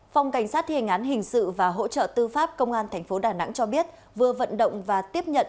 phòng cảnh sát thiền án hình sự và hỗ trợ tư pháp công an tp đà nẵng cho biết vừa vận động và tiếp nhận